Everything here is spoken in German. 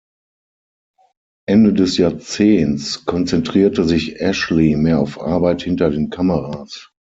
Ende des Jahrzehnts konzentrierte sich Ashley mehr auf Arbeit hinter den Kameras.